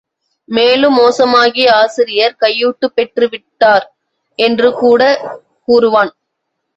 மேலும் மோசமாகி ஆசிரியர், கையூட்டுப் பெற்று விட்டார் என்று கூடக் கூறுவான்.